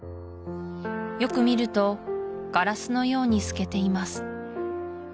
よく見るとガラスのように透けています